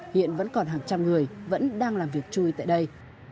hiện vẫn còn hàng trăm người vẫn đang làm việc chui tại đây